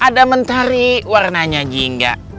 ada mentari warnanya gingga